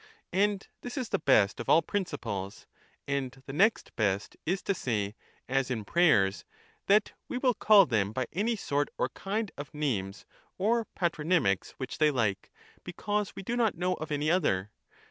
And this is the best of all principles ; and the next best is to say, as in prayers, that we will call them by any sort or kind of names or patronymics which they like, because we do not know of any other.